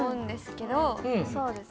そうですね。